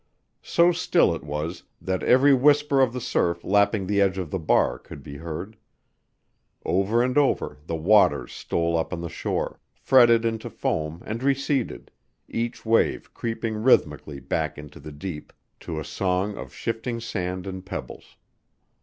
So still it was that every whisper of the surf lapping the edge of the bar could be heard; over and over the waters stole up on the shore, fretted into foam and receded, each wave creeping rhythmically back into the deep to a song of shifting sand and pebbles.